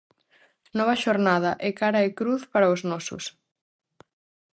Nova xornada e cara e cruz para os nosos.